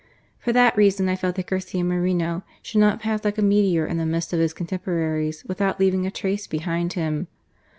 " For that reason I felt that Garcia Moreno should not pass like a meteor in the midst of his cotemporaries without leaving a trace behind him.